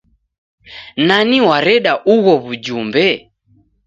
Nani wareda ugho w'ujumbe?